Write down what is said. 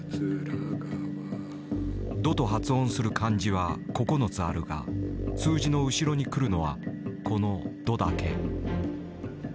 「ど」と発音する漢字は９つあるが数字の後ろに来るのはこの「度」だけ。